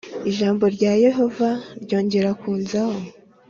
Ijambo rya Yehova ryongera kunzaho